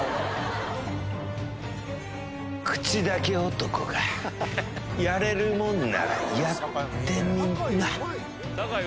口だけ男が、やれるもんならやってみな！